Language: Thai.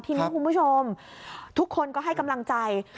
ทีนี้คุณผู้ชมทุกคนก็ให้กำลังใจ